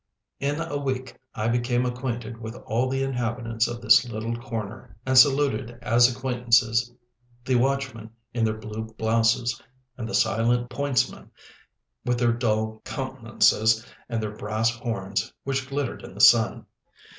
In a week I became acquainted with all the inhabitants of this little corner, and saluted as acquaintances the watchmen in their blue blouses, and the silent pointsmen with their dull countenances and their brass horns, which glittered in the sun.